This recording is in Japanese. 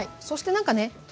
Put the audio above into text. そして何かね